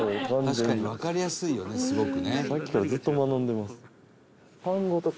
「確かにわかりやすいよねすごくね」